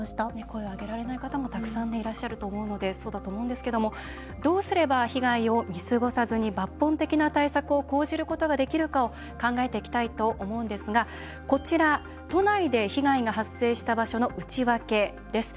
声を上げられない方もたくさんいらっしゃると思うのでそうだと思うんですけどもどうすれば被害を見過ごさずに抜本的な対策を講じることができるかを考えていきたいと思うんですがこちら、都内で被害が発生した場所の内訳です。